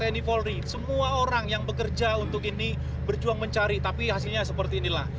tni polri semua orang yang bekerja untuk ini berjuang mencari tapi hasilnya seperti inilah